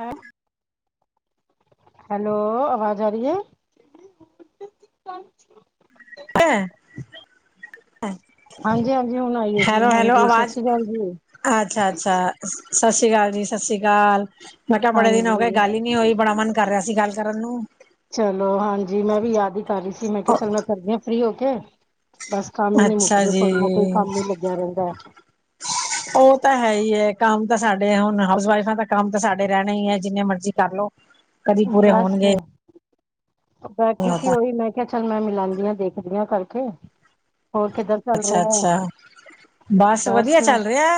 ਹੈ ਹੈਲੋ, ਆਵਾਜ਼ ਆ ਰਈ ਐ। [unintelligible] ਐ। ਹਾਂਜੀ ਹਾਂਜੀ ਹੁਣ ਆਈ ਹੈ ਜੀ ਹੈਲੋ, ਹੈਲੋ ਹਾਂਜੀ ਸਤਿ ਆਵਾਜ਼ ਸ਼੍ਰੀ ਅਕਾਲ ਜੀ ਅੱਛਾ-ਅੱਛਾ। ਸਾਸੀ ਕਾਲ ਜੀ ਸਾਸੀ ਕਾਲ। ਮੈਂ ਕਿਆ ਬੜੇ ਦਿਨ ਹੋ ਗਏ ਗੱਲ ਹਾਂਜੀ ਈ ਨੀ ਹੋਈ ਬੜਾ ਮਨ ਕਰ ਰਿਆ ਸੀ ਗੱਲ ਕਰਨ ਨੂੰ। ਚਲੋ ਹਾਂਜੀ ਮੈਂ ਵੀ ਯਾਦ ਈ ਕਰ ਰਈ ਸੀ ਮੈਂ ਕਿਆ ਚਲ ਮੈਂ ਕਰਦੀ ਆ ਫ੍ਰੀ ਹੋ ਕੇ। ਬਸ ਕੰਮ ਈ ਨੀ ਅੱਛਾ ਮੁੱਕਦੇ, ਜੀ ਕੋਈ ਨਾ ਕੋਈ ਕੰਮ ਈ ਲੱਗਿਆ ਰਹਿੰਦਾ। [unintelligible] ਉਹ ਤਾਂ ਹੈ ਈ ਐ, ਕੰਮ ਤਾਂ ਸਾਡੇ ਹੁਣ ਹਾਊਸ ਵਾਈਫਾਂ ਦਾ ਕੰਮ ਤਾਂ ਸਾਡੇ ਰਹਿਣੇ ਈ ਐ ਜਿੰਨੇ ਮਰਜ਼ੀ ਕਰ ਲੋ। ਕਦੀ ਹੈ ਪੂਰੇ ਬਸ ਹੋਣਗੇ ਬੈਠੀ ਸੀ ਉਹੀ ਮੈਂ ਕਿਆ ਚੱਲ ਮੈਂ ਮਿਲਾਂਦੀ ਆ ਦੇਖਦੀ ਆ ਕਰਕੇ। ਹੋਰ ਕਿੱਧਰ ਚੱਲ ਰਿਹਾ ਹੈ ਅੱਛਾ-ਅੱਛਾ ਬਸ ਵਦੀਆ ਚੱਲ ਰਿਆ।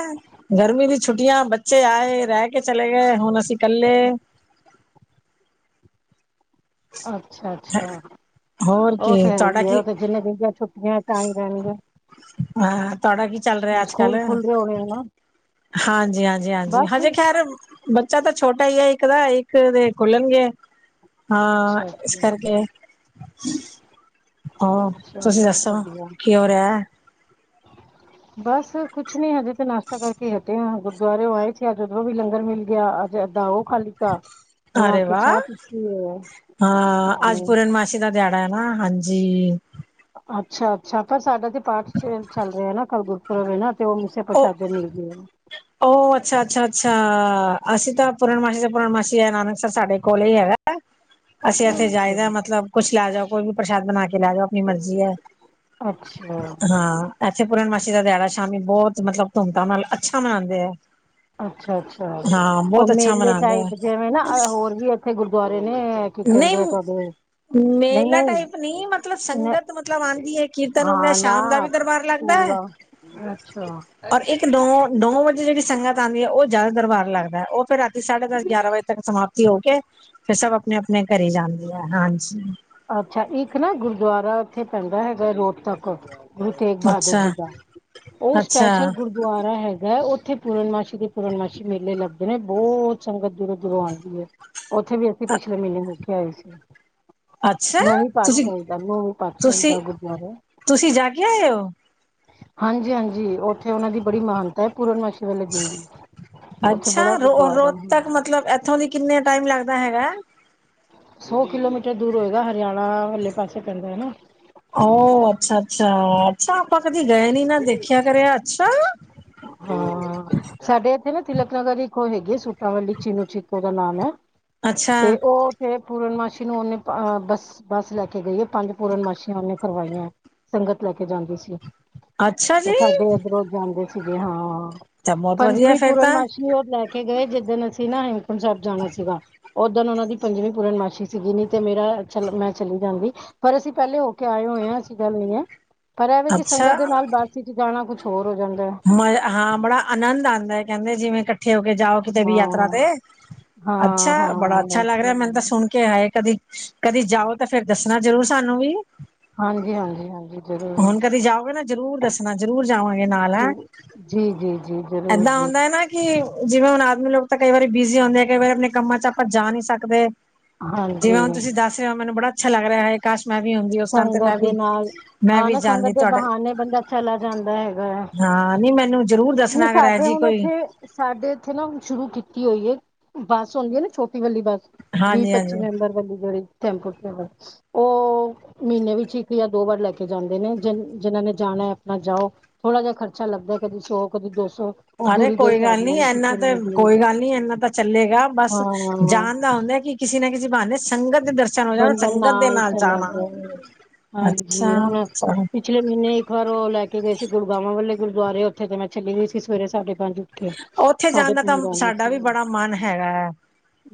ਗਰਮੀ ਦੀ ਛੁੱਟੀਆਂ ਬੱਚੇ ਆਏ, ਰੈ ਕੇ ਚਲੇ ਗਏ, ਹੁਣ ਅਸੀਂ ਕੱਲੇ। ਅੱਛਾ-ਅੱਛਾ, ਹੋਰ ਉਹ ਤੇ ਕੀ ਹੈਈ ਤੁਹਾਡਾ ਐ, ਕੀ ਉਹ ਤੇ ਜਿੰਨੇ ਦਿਨ ਦੀਆ ਛੁੱਟੀਆਂ ਤਾਂ ਈ ਰਹਿਣਗੇ। ਹਾਂ, ਤੁਆਡਾ ਕੀ ਚੱਲ ਰਿਆ ਅੱਜ-ਕੱਲ। ਹੋ ਗਿਆ। ਹਾਂਜੀ, ਹਾਂਜੀ, ਹਾਂਜੀ, ਹਜੇ ਖੈਰ ਬੱਚਾ ਤਾਂ ਛੋਟਾ ਈ ਐ ਇੱਕ ਦਾ, ਇੱਕ ਦੇ ਖੁੱਲਣਗੇ। ਹਾਂ, ਅੱਛਾ ਇਸ ਕਰਕੇ। ਅੱਛਾ ਹੋ ਤੁਸੀਂ ਚਲੋ ਦੱਸੋ ਵਧੀਆ ਕੀ ਹੋ ਰਿਆ? [inaudible] ਬਸ ਕੁਛ ਨੀ ਹਜੇ ਤਾਂ ਨਾਸ਼ਤਾ ਕਰਕੇ ਹਟੇ ਆ ਗੁਰਦੁਆਰਓ ਆਏ ਸੀ ਅੱਜ, ਉਦਰੋ ਵੀ ਲੰਗਰ ਮਿਲ ਗਿਆ ਅੱਜ ਏਦਾਂ ਉਹ ਖਾ ਲੀਤਾ, ਹੁਣ ਆ ਅਰੇ ਕੇ ਵਾਹ ਚਾਹ ਪੀਤੀ। ਹੈ ਹਾਂ, ਅੱਜ ਹਮ ਪੂਰਨ ਮਾਸ਼ੀ ਦਾ ਦਿਹਾੜਾ ਐ ਨਾ ਹਾਂਜੀ। ਅੱਛਾ-ਅੱਛਾ, ਪਰ ਸਾਡਾ ਤੇ [unintelligible] ਚੱਲ ਰਿਆ ਨਾ ਕਲ ਗੁ [unintelligible] ਉਹ ਮੀਸੇ ਉਹ ਪ੍ਰਸ਼ਾਦੇ ਮਿਲਦੇ ਆ। ਉਹ ਅੱਛਾ, ਅੱਛਾ, ਅੱਛਾ, ਅਸੀਂ ਤਾਂ ਪੂਰਨਮਾਸ਼ੀ ਦਾ ਪੂਰਨਮਾਸ਼ੀ ਇਹ ਨਾਨਕਸਰ ਸਾਡੇ ਕੋਲ ਈ ਹੈਗਾ। ਅਸੀਂ ਇੱਥੇ ਜਾਈਦਾ ਮਤਲਬ ਕੁੱਛ ਲੈ ਜਾਓ ਕੋਈ ਵੀ ਪ੍ਰਸ਼ਾਦ ਬਣਾ ਕੇ ਲੈ ਜਾਓ ਅਪਣੀ ਮਰਜੀ ਐ। ਅੱਛਾ ਅੱਛਾ ਹਾਂ, ਇੱਥੇ ਪੂਰਨਮਾਸ਼ੀ ਦਾ ਦਿਹਾੜਾ ਸ਼ਾਮੀ ਬੌਤ ਮਤਲਬ ਧੂਮ ਧਾਮ ਨਾਲ ਅੱਛਾ ਮਨਾਂਦੇ ਐ। ਅੱਛਾ-ਅੱਛਾ, ਉਹ ਅੱਛਾ ਮੇਲੇ ਮਨਾਉਂਦੇ ਹੈ। ਟਾਈਪ ਜਿਵੇਂ ਨਾ ਹੋਰ ਵੀ ਇੱਥੇ ਗੁਰਦੁਆਰੇ ਨੇ ਕੀ ਨਹੀਂ ਕੈਂਦੇ ਆ ਤੁਆਡੇ ਨਈ- ਮੇਲਾ ਟਾਈਪ ਨਹੀਂ ਨਈ, ਮਤਲਬ ਸੰਗਤ ਮਤਲਬ ਨਈ ਆਉਂਦੀ ਹੈ ਕੀਰਤਨ ਹੁੰਦਾ ਹਾ ਨਾ ਸ਼ਾਮ ਦਾ ਵੀ ਦਰਬਾਰ ਲੱਗਦਾ ਹੈ ਪੂਰਾ ਅੱਛਾ। ਔਰ ਇੱਕ ਨੌ ਨੌ ਵਜੇ ਜੇੜੀ ਸੰਗਤ ਆਂਦੀ ਐ, ਉਹ ਜੈਦਾ ਦਰਬਾਰ ਲੱਗਦਾ, ਉਹ ਫਿਰ ਰਾਤੀ ਸਾਢੇ-ਦਸ, ਗਿਆਰਾਂ ਵਜੇ ਤੱਕ ਸਮਾਪ ਤੀ ਓ ਕੇ, ਫਿਰ ਸਭ ਅਪਣੇ-ਅਪਣੇ ਘਰੇ ਜਾਂਦੀ ਐ, ਹਾਂਜੀ। ਅੱਛਾ, ਇੱਕ ਨਾ ਗੁਰਦੁਆਰਾ ਇੱਥੇ ਪੈਂਦਾ ਹੈਗਾ ਰੋਹਤੱਕ ਗੁਰੂ ਤੇਗ ਬਹਾਦਰ ਅੱਛਾ ਜੀ ਦਾ ਉਹ ਅੱਛਾ ਸਪੈਸ਼ਲ ਗੁਰ ਦੁਆਰਾ ਹੈਗਾ, ਉੱਥੇ ਪੂਰਨਮਾਸ਼ੀ ਦੇ ਪੂਰਨਮਾਸ਼ੀ ਮੇਲੇ ਲੱਗਦੇ ਨੇ, ਬੌਤ ਸੰਗਤ ਦੂਰੋਂ- ਦੂਰੋਂ ਆਂਦੀ ਏ। ਉੱਥੇ ਵੀ ਅਸੀਂ ਪਿਛਲੇ ਮਹੀਨੇ ਹੋ ਕੇ ਆਏ ਸੀ। ਅੱਛਾ ਨੋਵੀ ਤੁਸੀਂ ਪਾਤਸ਼ਾਹੀ ਦਾ, ਨੋਵੀ ਪਾਤਸ਼ਾਹੀ ਤੁਸੀਂ ਦਾ ਗੁਰਦੁਾਵਾਰਾ ਐ। ਤੁਸੀਂ ਜਾ ਕੇ ਆਏ ਓ। ਹਾਂਜੀ- ਹਾਂਜੀ, ਉੱਥੇ ਉਹਨਾਂ ਦੀ ਬੜੀ ਮਹਾਨ ਤਾ ਐ, ਪੂਰਨਮਾਸ਼ੀ ਵਾਲੇ ਦਿਨ ਦੀ, ਉੱਥੇ ਅੱਛਾ ਬੜਾ ਰੋ ਗੁਰਦਆਦਾ ਰੋਜ਼ ਤੱਕ ਐ। ਮਤਲਬ ਇੱਥੋਂ ਦੀ ਕਿੰਨੇ ਟਾਈਮ ਲੱਗਦਾ ਹੈਗਾ। ਸੌ ਕਿਲੋਮੀਟਰ ਦੂਰ ਹੋਏਗਾ, ਹਰਿਆਣਾ ਵੱਲੇ ਪਾਸੇ ਪੈਂਦਾ ਐ ਨਾ। ਉਹ ਅੱਛਾ, ਅੱਛਾ, ਅੱਛਾ ਆਪਾਂ ਕਦੀ ਗਏ ਨੀ ਨਾ, ਦੇਖਿਆ ਕਰਿਆ ਅੱਛਾ। [inaudible] ਹਾਂ ਸਾਡੇ ਇੱਥੇ ਨਾ ਤਿਲਕ ਨਗਰ ਇੱਕ ਉਹ ਹੈਗੀ ਸੂਟਾ ਵਾਲੀ ਚਿਨੂ ਚੀਕ ਓਦਾ ਨਾਮ ਆ। ਅੱਛਾ ਤੇ ਉਹ ਤੇ ਪੂਰਨਮਾਸ਼ੀ ਨੂੰ ਉਹਨੇ ਬੱਸ-ਬੱਸ ਲੈ ਕੇ ਗਈ ਐ, ਪੰਜ ਪੂਰਨਮਾਸ਼ੀਆਂ ਉਹਨੇ ਕਰਵਾਈਆਂ। ਸੰਗਤ ਲੈ ਕੇ ਜਾਂਦੀ ਸੀ। ਅੱਛਾ ਤੇ ਜੀ ਸਾਡੇ ਇੱਧਰੋਂ ਜਾਂਦੇ ਸੀਗੇ, ਹਾਂ ਤਾਂ ਬਹੁਤ ਵਧੀਆ ਪੰਜਵੀਂ ਫੇਰ ਤਾਂ ਪੂਰਨਮਾਸ਼ੀ ਉਹ ਲੈ ਕੇ ਕੇ ਗਏ ਜਿੱਦਣ ਅਸੀਂ ਨਾ ਹੇਮਕੁੰਟ ਸਾਹਿਬ ਜਾਣਾ ਸੀਗਾ। ਓਦਣ ਉਹਨਾਂ ਦੀ ਪੰਜਵੀ ਪੂਰਨਮਾਸ਼ੀ ਸੀਗੀ, ਨੀ ਤੇ ਮੇਰਾ ਚਲ ਮੈਂ ਚਲੀ ਜਾਂਦੀ। ਪਰ ਅਸੀਂ ਪਹਿਲੇ ਹੋ ਕੇ ਆਏ ਹੋਏ ਆਂ, ਐਸੀ ਗੱਲ ਨਹੀਂ ਹੈ ਪਰ ਐਵੇਂ ਕਿ ਅੱਛਾ ਬਸ 'ਚ ਜਾਣਾ ਕੁਛ ਹੋਰ ਹੋ ਜਾਂਦਾ ਹੈ। ਮ ਹਾਂ ਬੜਾ ਆਨੰਦ ਆਂਦਾ ਹੈ ਕਹਿੰਦੇ ਜਿਵੇਂ ਇਕੱਠੇ ਹੋ ਕੇ ਜਾਓ ਕਿਤੇ ਵੀ ਯਾਤਰਾ ਹਾਂ। ਤੇ, ਹਾਂ ਅੱਛਾ, ਹਾਂ ਬੜਾ ਅੱਛਾ ਲੱਗ ਰਿਹਾ ਬਸ ਮੈਨੂੰ ਤਾਂ ਸੁਣ ਕੇ ਹਾਏ ਕਦੀ-ਕਦੀ ਜਾਓ ਤਾਂ ਫੇਰ ਦੱਸਣਾ ਜ਼ਰੂਰ ਸਾਨੂੰ ਵੀ। ਹਾਂਜੀ ਹਾਂਜੀ ਹਾਂਜੀ ਜ਼ਰੂਰ ਹੁਨ ਕਦੀ ਜਾਓਗੇ ਨਾ, ਜਰੂਰ ਦੱਸਨਾ ਜ਼ਰੂਰ ਜਾਵਾਂਗੇ ਨਾਲ ਜੀ ਹੈ। ਜੀ, ਜੀ, ਜੀ ਜ਼ਰੂਰ ਏਦਾਂ ਜੀ। ਹੁੰਦਾ ਨਾ ਕਿ ਜਿਵੇਂ ਹੁਨ ਆਦਮੀ ਲੋਕ ਤਾਂ ਕਈ ਵਾਰੀ ਬਿਜ਼ੀ ਹੋਂਦੇ, ਕਈ ਵਾਰੀ ਆਪਣੇ ਕੰਮਾਂ 'ਚ ਆਪਾਂ ਜਾ ਨਹੀਂ ਸਕਦੇ। ਹਾਂਜੀ ਜਿਵੇਂ ਹੁਨ ਤੁਸੀਂ ਦੱਸ ਰਹੇ ਹੋ ਮੈਨੂੰ ਬੜਾ ਅੱਛਾ ਲੱਗ ਰਿਹਾ ਹਾਏ। ਕਾਸ਼ ਮੈਂ ਵੀ ਹੁੰਦੀ ਉਸ ਟਾਈਮ ਤੇ ਮੈਂ ਸੰਗਤ ਵੀ ਦੇ ਨਾਲ ਮੈਂ ਹਾਂ ਵੀ ਨਾ ਜਾਂਦੀ ਸੰਗਤ ਦੇ ਤੁਹਾਡੇ ਬਹਾਨੇ ਬੰਦਾ ਚੱਲਾ ਜਾਂਦਾ ਹੈਗਾ ਆ। ਹਾਂ ਨੀ ਮੈਨੂੰ ਜ਼ਰੂਰ ਦੱਸਣਾ ਅਗਰ ਇਹੋ ਜੀ ਹੁਣ ਕੋਈ ਇੱਥੇ ਸਾਡੇ ਇੱਥੇ ਨਾ ਹੁਣ ਸ਼ੁਰੂ ਕੀਤੀ ਹੋਈ ਏ, ਬੱਸ ਹੁੰਦੀ ਹੈ ਨਾ ਛੋਟੀ ਵਾਲੀ ਬੱਸ ਵੀਹ ਹਾਂਜੀ ਪੱਚੀ ਹਾਂਜੀ ਮੈਂਬਰ ਵਾਲੀ ਜੇੜੀ ਟੈਮਪੋ ਟ੍ਰੇਵਲ ਉਹ ਮਹੀਨੇ ਵਿੱਚ ਇੱਕ ਜਾਂ ਦੋ ਵਾਰ ਲੈ ਕੇ ਜਾਂਦੇ ਨੇ, ਜਿ ਜਿਨਾਂ ਨੇ ਜਾਣਾ ਹੈ ਆਪਣਾ ਜਾਓ। ਥੋੜਾ ਜਿਹਾ ਖਰਚਾ ਲੱਗਦਾ ਕਦੀ ਸੌ ਕਦੀ ਦੋ ਸੌ। ਅਰੇ ਦੂਰੀ ਦੇ ਕੋਈ ਹਿਸਾਬ ਗੱਲ ਨੀ, ਨਾਲ ਏਨਾ ਕਿਤੇ ਤਾਂ ਕੋਈ ਗੱਲ ਨੀ, ਏਨਾ ਤਾਂ ਚੱਲੇਗਾ ਬਸ ਹਾਂ ਜਾਨ ਦਾ ਹੁੰਦਾ ਹੈ ਕਿ ਕਿਸੇ ਨਾ ਕਿਸੇ ਬਾਨੇ ਸੰਗਤ ਦੇ ਦਰ [unintelligible] ਬੰਦਾ ਸੰਗਤ ਦੇ ਨਾਲ ਚਲਾ ਜਾਣਾ ਜਾਏ ਅੱਛਾ ਹਾਂਜੀ ਹੁਣ ਚਲੋ। ਪਿਛਲੇ ਮਹੀਨੇ ਇੱਕ ਵਾਰ ਉਹ ਲੈ ਕੇ ਗਏ ਸੀ ਗੁੜਗਾਵਾਂ ਵਾਲੇ ਗੁਰਦੁਆਰੇ ਉੱਥੇ ਤਾਂ ਮੈਂ ਚੱਲੀ ਗਈ ਸੀ ਸਵੇਰੇ ਸਾਢੇ ਪੰਜ ਉੱਥੇ ਜਾਣ ਸਾਢੇ ਦਾ ਤਾਂ ਸਾਡਾ ਵੀ [unintelligible] ਬੜਾ ਮਨ ਹੈਗਾ ਹੈ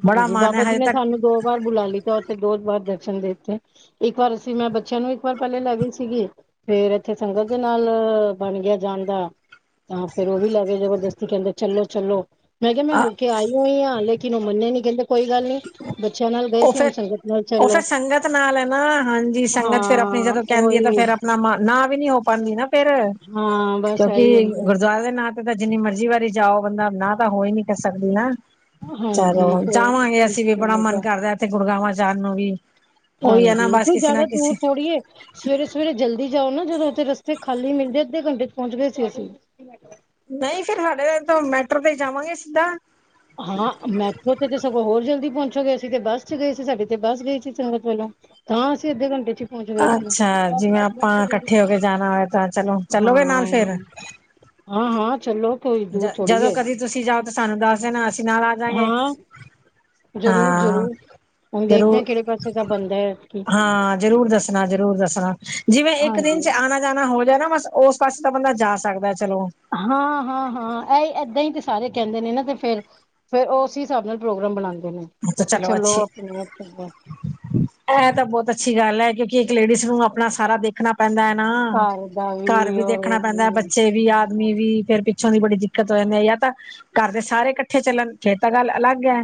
ਬੜਾ ਹਾਂਜੀ ਮਨ ਹੈ ਬਾਬਾ ਜੀ ਹਜੇ ਨੇ ਤੱਕ ਸਾਨੂੰ ਦੋ ਵਾਰ ਬੁਲਾ ਲਤਾ, ਉੱਥੇ ਦੋ ਵਾਰ ਦਰਸ਼ਨ ਦੇਤੇ। ਇੱਕ ਵਾਰ ਅਸੀਂ ਮੈਂ ਬੱਚਿਆਂ ਨੂੰ ਇੱਕ ਵਾਰ ਪਹਿਲੇ ਲੈ ਗਈ ਸੀਗੀ। ਫੇਰ ਇੱਥੇ ਸੰਗਤ ਦੇ ਨਾਲ ਬਣ ਗਿਆ ਜਾਨ ਦਾ ਤਾਂ ਫੇਰ ਉਹ ਵੀ ਲੈ ਕੇ ਜਬਰਦਸਤੀ ਕਹਿੰਦੇ ਚੱਲੋ-ਚੱਲੋ। ਮੈਂ ਕਿਆ ਮੈਂ ਹੋ ਕੇ ਆਈ ਹੋਈ ਆਂ ਲੇਕਿਨ ਓ ਮੰਨੇ ਨੀ ਕੇਂਦੇ ਕੋਈ ਗੱਲ ਨੀ ਬੱਚਿਆਂ ਨਾਲ ਗਏ ਸੀ ਹੁਨ ਸੰਗਤ ਨਾਲ ਓ ਫੇਰ ਚਲੋ ਸੰਗਤ ਨਾਲ ਐ ਨਾ, ਹਾਂਜੀ ਸੰਗਤ ਫੇਰ ਆਪਣੀ ਹਾਂ ਜਦੋਂ ਕੈਂਦੀ ਐ ਤਾਂ ਉਹੀ ਫੇਰ ਨਾ ਮਾ ਨਾ ਵੀ ਨੀ ਹੋ ਪਾਂਦੀ ਨਾ ਫੇਰ ਹਾਂ ਬਸ ਕਿਉਂਕਿ ਇਹੀ ਹੁੰਦਾ ਗੁਰਦੁਆਰੇ ਦੇ ਨਾ ਓ ਤਾਂ ਜਿੰਨੀ ਮਰਜ਼ੀ ਵਾਰੀ ਜਾਓ, ਬੰਦਾ ਨਾ ਤਾਂ ਹੋਈ ਨੀ ਕਰ ਸਕਦੀ ਨਾ, ਚਲੋ ਹਾਂਜੀ ਫਿਰ ਜਾਵਾਂਗੇ। ਅਸੀਂ ਵੀ ਬੜਾ ਮਨ ਚਲੇਗਾ। ਕਰਦਾ ਇੱਥੇ ਗੁੜਗਾਵਾਂ ਜਾਨ ਨੂੰ ਵੀ। ਉਹੀ ਹੈ ਨਾ ਹਾਂਜੀ ਬਸ ਕੋਈ ਕਿਸੇ ਨਾ ਜਾਦਾ ਦੂਰ ਕਿਸੇ ਥੋੜ੍ਹੀ ਐ। ਸਵੇਰੇ-ਸਵੇਰੇ ਜਲਦੀ ਜਾਓ ਨਾ ਜਦੋਂ ਓਥੇ ਰਸਤੇ ਖਾਲੀ ਮਿਲਦੇ ਅੱਧੇ ਘੰਟੇ ਚ ਪੋਂਚ ਗਏ ਸੀ ਅਸੀਂ। ਨਈ ਫਿਰ ਸਾਡੇ ਤਾਂ ਮੈਟਰੋ ਤੇ ਈ ਜਾਵਾਂਗੇ ਸਿੱਧਾ। ਹਾਂ ਮੈਟਰੋ ਤੇ ਤੇ ਸਗੋਂ ਹੋਰ ਜਲਦੀ ਪੋਂਚੋਗੇ ਅਸੀਂ ਤੇ ਬੱਸ ਚ ਗਏ ਸੀ ਸਾਡੇ ਤੇ ਬੱਸ ਗਈ ਸੀ ਸੰਗਤ ਵੱਲੋਂ। ਤਾਂ ਅਸੀਂ ਅੱਧੇ ਘੰਟੇ ਚ ਪਹੁੰਚ ਗਏ ਸੀ ਅੱਛਾ ਬੱਸ ਜਿਵੇਂ ਬੱਸ ਤੋਂ ਆਪਾਂ ਜਲਦੀ ਇਕੱਠੇ ਹੋ ਕੇ ਜਾਨਾ ਹੋਵੇ ਤਾਂ ਚਲੋ ਚੱਲੋਗੇ ਨਾਲ ਫੇਰ? ਹਾਂ-ਹਾਂ ਚਲੋ। ਕੋਈ ਜ ਦੂਰ ਥੋੜ੍ਹੀ ਜਦੋਂ ਏ ਕਦੀ ਤੁਸੀਂ ਜਾਓ ਤਾਂ ਸਾਨੂੰ ਦੱਸ ਦੇਣਾ, ਅਸੀਂ ਨਾਲ ਆ ਜਾਂਗੇ। ਹਾਂ ਜ਼ਰੂਰ ਹਾਂ ਜ਼ਰੂਰ ਹੁਣ ਦੇਖਦੇ ਜ਼ਰੂਰ, ਹਾਂ ਕਿਹੜੇ ਪਾਸੇ ਦਾ ਬਣਦਾ ਐਤਕੀ ਹਾਂ ਜ਼ਰੂਰ ਦੱਸ ਦਸਨਾ ਜ਼ਰੂਰ ਦੱਸਣਾ, ਜਿਵੇਂ ਇੱਕ ਦਿਨ ਹਾਂਜੀ 'ਚ ਆਣਾ ਜਾਣਾ ਹੋ ਜਾਏ ਨਾ ਬਸ, ਉਸ ਪਾਸੇ ਤਾਂ ਬੰਦਾ ਜਾ ਸਕਦਾ ਚਲੋ। ਹਾਂ, ਹਾਂ, ਹਾਂ ਏਈ ਏਦਾਂ ਹੀ ਤੇ ਸਾਰੇ ਕਹਿੰਦੇ ਨੇ ਨਾ ਤੇ ਫੇਰ ਫੇਰ ਉਹ ਉਸੀ ਹਿਸਾਬ ਨਾਲ ਪ੍ਰੋਗਰਾਮ ਬਣਾਂਦੇ ਨੇ। ਹੁਨ ਤਾਂ ਕਿ ਚਲੋ ਅਛੇ ਆਪਣੇ ਐ ਤਾਂ ਬੋਤ ਅੱਛੀ ਗੱਲ ਐ ਕਿਉਂਕਿ ਇੱਕ ਲੇਡੀਜ਼ ਨੂੰ ਆਪਣਾ ਸਾਰਾ ਦੇਖਣਾ ਪੈਂਦਾ ਨਾ ਘਰ ਦਾ ਘਰ ਵੀ ਦੇਖਣਾ ਪੈਂਦਾ ਔਰ ਬੱਚੇ ਵੀ ਆਦਮੀ ਵੀ ਫੇਰ ਪਿ ਪਿੱਛੋਂ ਦੀ ਬੜੀ ਦਿੱਕਤ ਹੋ ਜਾਂਦੀ ਐ ਜਾਂ ਤਾਂ ਘਰ ਦੇ ਸਾਰੇ ਇਕੱਠੇ ਚੱਲਣ ਫਿਰ ਤਾਂ ਗੱਲ ਅਲੱਗ ਐ।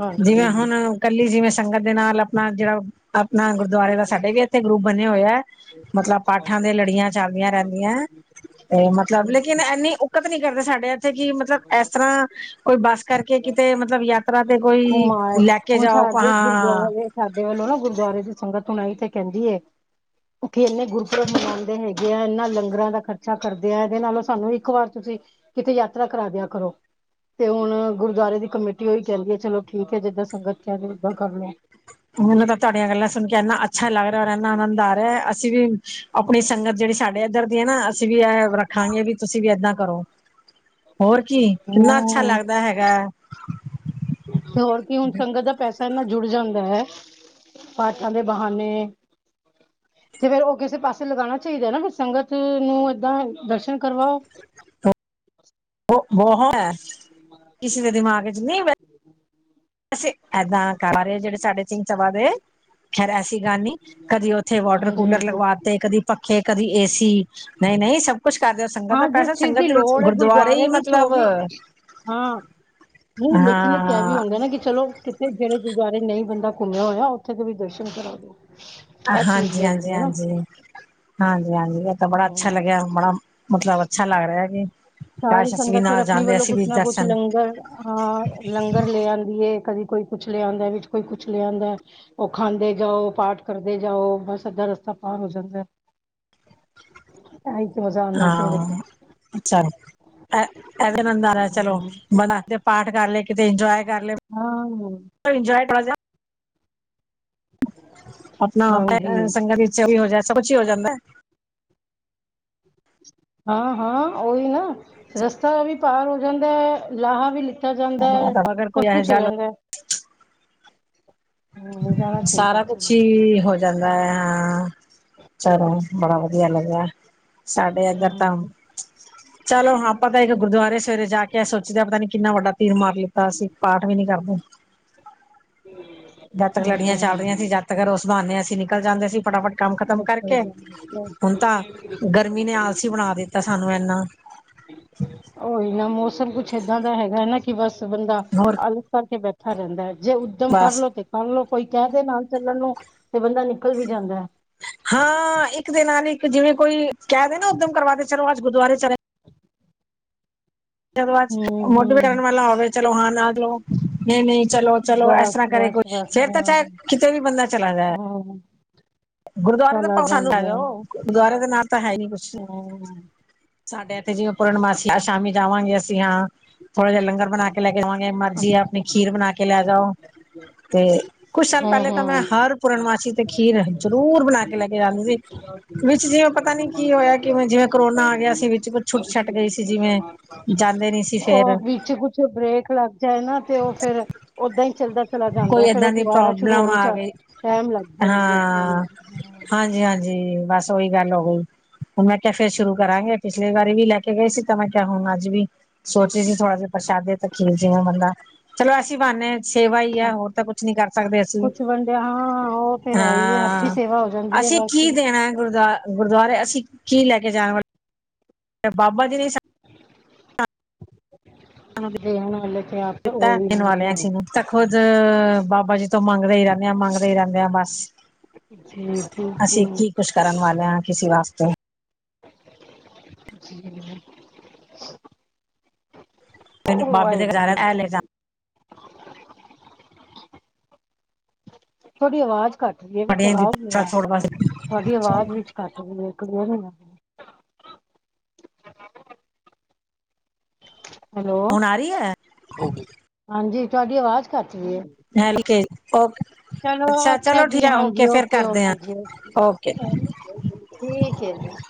ਹਾਂਜੀ ਜਿਵੇਂ ਜੀ ਹੁਣ ਕੱਲੀ ਜਿਵੇਂ ਸੰਗਤ ਦੇ ਨਾਲ ਆਪਣਾ ਜੇੜਾ ਆਪਣਾ ਗੁਰਦੁਆਰੇ ਦਾ ਸਾਡੇ ਵੀ ਗਰੁੱਪ ਬਣੇ ਹੋਏ ਐ ਮਤਲਬ ਪਾਠਾਂ ਦੇ ਲੜੀਆਂ ਚੱਲਦੀਆਂ ਰੇਂਦੀਆਂ। ਤੇ ਮਤਲਬ ਅੱਛਾ ਲੇਕਿਨ ਐਨੀ ਦਿੱਕਤ ਨੀ ਕਰਦੇ ਸਾਡੇ ਇੱਥੇ ਕੀ ਮਤਲਬ ਐਸ ਤਰ੍ਹਾਂ ਕੋਈ ਬੱਸ ਕਰਕੇ ਕਿਤੇ ਮਤਲਬ ਯਾ ਯਾਂ ਤੇ ਕੋਈ ਘੁੰਮ ਆਏ ਲੈ ਕੇ ਹੁਣ ਜਾਓ ਕ ਸਾਡੇ ਹਾਂ। ਗੁਰਦੁਆਰੇ ਸਾਡੇ ਵੱਲੋਂ ਨਾ ਗੁਰਦੁਆਰੇ ਦੀ ਸੰਗਤ [unintelligible] ਤੇ ਕੈਂਦੀ ਏ। ਓਥੇ ਏਨੇ ਗੁਰਪੁਰਬ ਮਨਾਉਦੇ ਹੈਗੇ ਆ ਏਨਾਂ ਲੰਗਰਾਂ ਦਾ ਖਰਚਾ ਕਰਦੇ ਐ ਇਹਦੇ ਨਾਲੋਂ ਸਾਨੂੰ ਇੱਕ ਵਾਰ ਤੁਸੀਂ ਕਿਤੇੇ ਯਾਤਰਾ ਕਰਾ ਦਿਆ ਕਰੋ ਤੇ ਹੁਣ ਗੁਰਦੁਆਰੇ ਦੀ ਕਮੇਟੀ ਓਹੀ ਕੈਂਦੀ ਏ ਚਲੋ ਠੀਕ ਐ ਜਿੱਦਾਂ ਸੰਗਤ ਚ ਆ ਤੇ ਓਦਾਂ ਕਰ ਲੋ। ਮੈਨੂੰ ਤਾਂ ਤੁਹਾਡੀਆਂ ਗੱਲਾਂ ਸੁਣ ਕੇ ਐਨਾ ਅੱਛਾ ਲੱਗ ਰਿਆ ਔਰ ਐਨਾ ਆਨੰਦ ਆ ਰਿਆ ਅਸੀਂ ਵੀ ਆਪਣੀ ਸੰਗਤ ਜੇੜੀ ਸਾਡੇ ਇੱਧਰ ਦੀ ਐ ਨਾ ਅਸੀਂ ਵੀ ਐ ਰੱਖਾਂਗੇ ਵੀ ਤੁਸੀਂ ਵੀ ਏਦਾਂ ਕਰੋ। ਹੋਰ ਕੀ ਕਿੰਨਾ ਅੱਛਾ ਹਮ ਲੱਗਦਾ ਹੈਗੈ। ਤੇ ਹੋਰ ਕੀ ਹੁਣ ਸੰਗਤ ਦਾ ਪੈਸਾ ਐਨਾ ਜੁੜ ਜਾਂਦੈ ਪਾਠਾਂ ਦੇ ਬਹਾਨੇ ਤੇ ਫੇਰ ਓ ਕਿਸੇ ਪਾਸੇ ਲਗਾਣਾ ਚਾਈਦਾ ਨਾ ਫੇਰ ਸੰਗਤ ਨੂੰ ਏਦਾਂ ਦਰਸ਼ਨ ਕਰਵਾਓ। [unintelligible] ਐ ਕਿਸੀ ਦੇ ਦਿਮਾਗ ਚ ਨੀ ਅਸੀਂ ਏਦਾਂ ਕਰ ਰੇ ਜੇੜ੍ਹੇ ਸਾਡੇ ਸਿੰਘ ਸਭਾ ਦੇ ਖੈਰ ਐਸੀ ਗੱਲ ਨੀ ਕਦੇ ਉੱਥੇ ਵੋਟਰ ਹਾਂਜੀ ਕੂਲਰ ਹਾਂਜੀ ਲਗਵਾ ਤੇ ਕਦੀ ਪੱਖੇ ਕਦੀ ਏਸੀ ਨਈ-ਨਈ ਸਭ ਕੁੱਛ ਕਰਦੇ ਓ ਸੰਗਤ ਦਾ ਹਾਂ ਪੈਸਾ ਜਿਸ ਚੀਜ਼ ਸੰਗਤ ਦੀ ਦੇ ਵਿੱਚ ਲੋੜ ਹੈ ਗੁਰਦੁਆਰੇ ਈ ਵਿੱਚ ਉਹ ਮਤਲਬ ਨਈ ਲੇਕਿਨ ਇਕ ਐ ਵੀ ਹਾਂ ਹੁੰਦਾ ਨਾ ਕਿ ਚਲੋ ਕਿ ਜੇੜ੍ਹੇ ਗੁਰਦੁਆਰੇ ਨਈ ਬੰਦਾ ਘੁੰਮਿਆ ਹੋਇਆ ਉੱਥੇ ਦੇ ਵੀ ਦਰਸ਼ਨ ਕਰਾ ਦੋ। ਇਹ ਚੀਜ਼ ਵੀ ਹੁੰਦੀ ਹੈ ਨਾ ਹਾਂਜੀ-ਹਾਂਜੀ-ਹਾਂਜੀ ਹਾਂਜੀ-ਹਾਂਜੀ ਐ ਤਾਂ ਬੜਾ ਅੱਛਾ ਹਮ ਲੱਗਿਆ ਬੜਾ ਮਤਲਬ ਅੱਛਾ ਲੱਗ ਰਿਆ ਕੀ ਸਾਰੀ ਸੰਗਤ ਫਿਰ ਆਪਣੀ ਵੱਲੋਂ ਕੁੱਛ ਨਾ ਕੁੱਛ ਲੰਗਰ ਹਾਂ ਲੰਗਰ ਲੇ ਆਂਦੀ ਏ ਕਦੀ ਕੋਈ ਕੁੱਛ ਲੇ ਆਉਂਦਾ ਵਿੱਚ ਕੋਈ ਕੁੱਛ ਲੇ ਆਉਂਦੈ। ਓ ਖਾਂਦੇ ਜਾਓ ਪਾਠ ਕਰਦੇ ਜਾਓ ਬਸ ਅੱਧਾ ਰਸਤਾ ਪਾਰ ਹੋ ਜਾਂਦੈ। ਆਈ ਤੇ ਮਜ਼ਾ ਆਂਦਾ ਸੰਗਤ ਦਾ। ਅੱਛਾ ਐ ਐਦੇ [unintelligible] ਚਲੋ ਹਾਂ ਕੇ ਪਾਠ ਕਰਲੇ ਕਿਤੇ ਇੰਜੋਏ ਕਰ ਲੈਂਦਾ ਹਾਂ ਇੰਜੋਏ ਆਪਣਾ ਹਾਂਜੀ ਸੰਗਤ ਵਿੱਚ ਵੀ ਹੋ ਜਾਦਾ ਸਭ ਕੁਛ ਹੀ ਹੋ ਜਾਂਦਾ ਹਾਂ ਹਾਂ ਉਹੀ ਨਾ ਰਸਤਾ ਵੀ ਪਾਰ ਹੋ ਜਾਂਦਾ ਲਾਹਾ ਵੀ ਲੀ ਜਾਂਦਾ ਹੈ ਅਗਰ ਕੋਈ ਸਭ ਇਹ ਕੁਛ ਹੋ ਜਾ ਜਾਂਦਾ ਹਮ, ਜਾਣਾ ਚਾਹੀਦਾ ਸਾਰਾ ਕੁਛ ਚਲੋ ਹੀ ਹੋ ਜਾਂਦਾ ਹੈ ਹਾਂ ਚਲੋ ਬੜਾ ਵਧੀਆ ਲੱਗੇਆ ਸਾਡੇ ਏਧਰ ਤਾਂ ਹਮ, ਚਲੋ ਹਾਂ ਆਪਾਂ ਤਾਂ ਇੱਕ ਗੁਰਦੁਆਰੇ ਸਵੇਰੇ ਜਾ ਕੇ ਸੋਚਦੇ ਹ ਪਤਾ ਨੀ ਕਿੰਨਾ ਵੱਡਾ ਤੀਰ ਮਾਰ ਲਿੱਤਾ ਅਸੀਂ ਪਾਠ ਵੀ ਨੀ ਕਰਦੇ ਹਾਂ ਜਦ ਤਕ ਲੜੀਆਂ ਚੱਲਹੀਆਂ ਸੀ ਜਦਤ ਕਰੋ ਸੰਭਾਨੇ ਹ ਅਸੀਂ ਨਿਕਲ ਜਾਂਦੇ ਸੀ ਫਟਾਫਟ ਕੰਮ ਖ਼ਤਮ ਕਰਕੇ ਹਮ, ਹੁਣ ਤਾਂ ਗਰਮੀ ਨੇ ਆਲਸੀ ਬਣਾ ਦਿੱਤਾ ਤਾਂ ਸਾਨੂੰ ਐਨਾ ਓਹੀ ਨਾ ਮੌਸਮ ਕੁੱਛ ਏਦਾਂ ਦਾ ਹੈਗਾ ਨਾ ਕੀ ਬਸ ਬੰਦਾ ਹੋਰ ਆਲਸ ਕਰਕੇ ਬੈ ਠਾ ਰੈਂਦੈ ਜੇ ਉੱਦਮ ਕਰਲ ਬਸ ਲੋ ਤੇ ਕਰ ਲੋ ਕੋਈ ਕੈ ਦੇ ਨਾਲ ਚੱਲਣ ਨੂੰ ਤੇ ਬੰਦਾ ਨਿਕਲ ਵੀ ਜਾਂਦੈ। ਹਾਂ ਇੱਕ ਦੇ ਨਾਲ ਇੱਕ ਜਿਵੇਂ ਕੋਈ ਕੈ ਦੇ ਨਾ ਉੱਦਮ ਕਰਵਾ ਦੇ ਚਲੋ ਅੱਜ ਗੁਰਦੁਆਰੇ ਚਲੇ [unintelligible] ਜਦੋਂ ਅਜ ਹੂੰ ਮੁੱਢ ਪੈਰਨ ਹੂੰ ਵਾਲਾ ਹੋਵੇ ਚਲੋ ਹਾਂ, ਨਾ ਚਲੋ। ਨਹੀਂ, ਨਹੀਂ, ਚਲੋ, ਚਲੋ ਇਸ ਬਸ ਤਰ੍ਹਾਂ ਕਰੇ ਬਸ ਕੋਈ ਬਸ ਫਰ ਤਾਂ ਹਾਂ ਚਾਹ ਕਿਤੇ ਵੀ ਬੰਦਾ ਚਲਾ ਜਾ ਹਾਂ ਗੁਰਦੁਆਰੇ ਚਲਾ ਦਾ ਸਾਨੂੰ ਹੈਲੋ ਗੁਰਦੁਆਰੇ ਦੇ ਨ ਤਾਂ ਹੈ ਨੀ ਕੁਝ ਹੂੰ ਸਾਡੇ ਇੱਥੇ ਜਿਵੇਂ ਪੂਰਨਮਾਸੀ ਸ਼ਾਮੀ ਜਾਵਾਂਗੇ। ਅਸੀਂ ਹਾਂ। ਥੋੜਾ ਜਿਆ ਲੰਗਰ ਬਣਾ ਕੇ ਲੈ ਕੇ ਜਾਵਾਂਗੇ। ਮਰਜੀ ਆ ਆਪਣੀ ਖੀਰ ਬਣਾ ਕੇ ਲੈ ਜਾਓ। ਤੇ ਕੁਛ ਸਾਲ ਹੂੰ ਪਹਿਲੇ ਤਾਂ ਮੈਂ ਹੂੰ ਹਰ ਪੂਰਨਮਾਸੀ ਤੇ ਖੀਰ ਜ਼ਰੂਰ ਬਣਾ ਕੇ ਲੈ ਕੇ ਜਾਂਦੇ ਸੀ। ਵਿੱਚ ਜਿਵੇਂ ਪਤਾ ਨੀ ਕੀ ਹੋਇਆ ਕਿਵੇਂ ਜਿਵੇਂ ਕਰੋਨਾ ਆ ਗਿਆ ਵਿੱਚ ਛੁੱਟ ਛੱਟ ਗਈ ਸੀ ਜਿਵੇਂ ਜਾਂਦੇ ਨਹੀਂ ਸੀ। ਫੇਰ ਉਹ ਵਿੱਚ ਕੁਛ ਬ੍ਰੇਕ ਲੱਗ ਜਾਏ ਨਾ ਤੇ ਉਹ ਫਿਰ ਓਦਾਂ ਈ ਚੱਲਦਾ ਚਲਾ ਜਾਂਦਾ ਕੋਈ ਐ। ਫੇਰ ਉਹ ਏਦਾਂ ਦੀ ਦੁਬਾਰਾ ਸ਼ੁਰੂ ਪ੍ਰੋਬਲਮ ਹੀ ਆ ਚ ਗਈ ਟਮ ਲੱਗ ਜਾਂਦੀ ਏ। ਹਾਂਜੀ, ਹਾਂਜੀ ਬਸ ਉਹੀ ਗੱਲ ਹੋ ਗਈ। ਹੁਣ ਮੈਂ ਕਿਹਾ ਫੇਰ ਸ਼ੁਰੂ ਕਰਾਂ ਗੇ। ਪਿਛਲੀ ਵਾਰੀ ਵੀ ਲੈ ਕੇ ਗਏ ਸੀ ਤਾਂ ਮੈਂ ਕਿਹਾ ਹੁਣ ਅੱਜ ਵੀ। ਸੋਚੇ ਸੀ ਥੋੜ੍ਹਾ ਜਿਹਾ ਪ੍ਰਸ਼ਾਦੇ ਤਾਂ ਖੀਰ ਜਵੇ ਬੰਦਾ ਚਲੋ ਅਸੀਂ ਪਾਉਨਦੇ ਹੀ ਸੇਵਾ ਆ ਹਾਂ, ਹੋਰ ਤਾਂ ਕੁਛ ਨੀ ਕਰ ਸਕਦੇ ਅਸੀਂ ਕੁਛ ਵੰਡਿਆ ਹਾਂ ਉਹ ਤੇ ਹੈ ਹੀ ਹੈ ਹੱਥੀ ਹਾਂ ਸੇਵਾ ਹੋ ਜਾਂਦੀ ਹੈ ਅਸੀਂ ਕੀ ਬਸ ਦੇਣਾ ਗੁਰਦੁਆ ਗੁਰਦੁਆਰੇ? ਅਸੀਂ ਕੀ ਲੈ ਕੇ ਜਾਣਾ ਵਾਲੇ? ਤੇ ਬਾਬਾ ਜੀ ਨ ਦੇ ਐਨਾ ਲੱਛੀਆ ਤੋਂ ਦਿੱਤਾ ਉਹੀ ਦੇਣ ਵਾਲੇ ਲੁਨੇ ਹਾਂ ਹੈ ਅਸੀਂ ਨੂੰ ਤਾਂ, ਖੁਦ ਬਾਬਾ ਜੀ ਤੋਂ ਮੰਗਦੇ ਹੀ ਰਹਿੰਦੇ, ਆ ਮੰਗਦੇ ਹੀ ਰਹਿੰਦੇ, ਆ ਬਸ। ਜੀ -ਜੀ, ਜੀ। ਅਸੀਂ ਕੀ ਕੁਛ ਕਰਨ ਵਾਲਾ, ਕਿਸੀ ਵਾਸਤੇ [inaudible] ਜੀ। ਤੈਨੂੰ ਉਹ ਬਾਬੇ ਦੇ ਘਰੇ, ਵਾਹਿਗੁਰੂ ਐ ਲੇ ਜਾ। ਤੁਹਾਡੀ ਆਵਾਜ਼ ਘੱਟ ਦੀਈ ਹੈ, ਵੀਚ ਆਵਾਜ਼ ਨਹੀ ਆ ਰਹੀ, ਤੁਹਾਡੀ ਆਵਾਜ਼ ਵਿੱਚ ਕਠ ਵੀ ਇੱਕ [unintelligible] ਹੈਲੋ, ਹੁਣ ਆ ਰਹੀ ਹੈ [unintelligible] ਹਾਂਜੀ ਤੁਹਾਡੀ ਅਵਾਜ਼ ਘਟ ਰੀ ਐ। ਹਲਕੇ ਓਕੇ, ਅੱਛਾ ਚਲੋ ਠੀਕ ਜੀ ਓਕੇ ਹਾਂਜੀ ਫੇਰ ਕਰਦੇ ਆ। ਓਕੇ ਜੀ ਓਕੇ। ਠੀਕ ਹੈ ਜੀ।